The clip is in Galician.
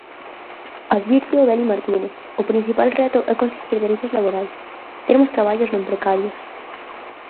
Advírteo Beli Martínez: O principal reto é conseguir dereitos laborais, termos traballos non precarios.